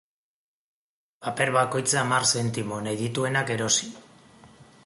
Paper bakoitza hamar zentimo, nahi dituenak erosi.